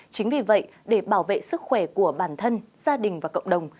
chính vì vậy để bảo vệ sức khỏe của bản thân gia đình và cộng đồng